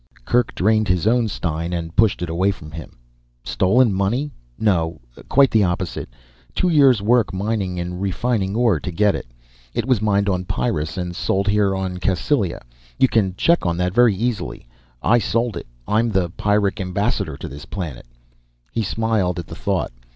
Kerk drained his own stein and pushed it away from him. "Stolen money? No, quite the opposite. Two years' work mining and refining ore to get it. It was mined on Pyrrus and sold here on Cassylia. You can check on that very easily. I sold it. I'm the Pyrric ambassador to this planet." He smiled at the thought.